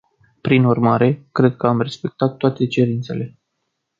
Prin urmare, cred că am respectat toate cerințele.